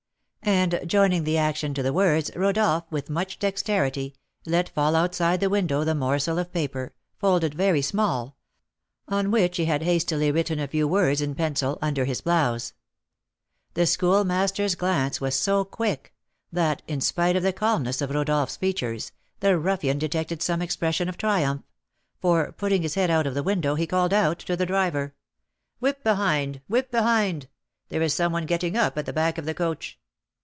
And, joining the action to the words, Rodolph, with much dexterity, let fall outside the window the morsel of paper, folded very small, on which he had hastily written a few words in pencil under his blouse. The Schoolmaster's glance was so quick, that, in spite of the calmness of Rodolph's features, the ruffian detected some expression of triumph, for, putting his head out of the window, he called out to the driver: "Whip behind! whip behind! there is some one getting up at the back of the coach!"